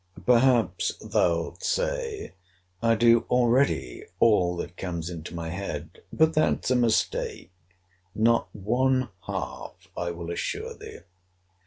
Perhaps thou'lt say, I do already all that comes into my head; but that's a mistake—not one half I will assure thee.